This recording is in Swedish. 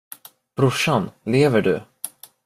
Brorsan, lever du?